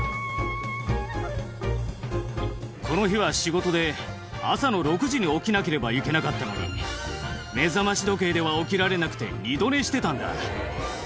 この日は仕事で朝の６時に起きなければいけなかったのに目覚まし時計では起きられなくて二度寝してたんだ。